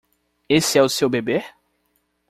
Esse é o seu bebê?